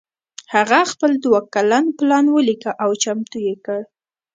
هغه خپل دوه کلن پلان وليکه او چمتو يې کړ.